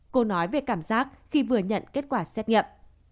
cô nói về cảm giác khi vừa nhận kết quả xét nghiệm